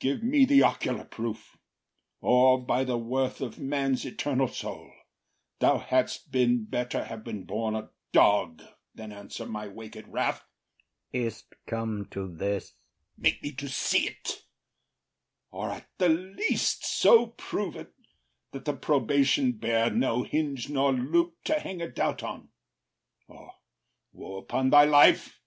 Give me the ocular proof, Or, by the worth of man’s eternal soul, Thou hadst been better have been born a dog Than answer my wak’d wrath. IAGO. Is’t come to this? OTHELLO. Make me to see’t, or at the least so prove it, That the probation bear no hinge nor loop To hang a doubt on, or woe upon thy life!